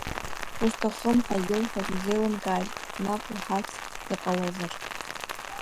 Усҭахым ҳәа илҳәаз узеилымкааи, наҟ уҳадҵ иҟалозар!